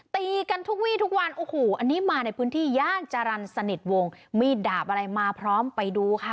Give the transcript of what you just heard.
ตีกันทุกวี่ทุกวันโอ้โหอันนี้มาในพื้นที่ย่านจรรย์สนิทวงมีดดาบอะไรมาพร้อมไปดูค่ะ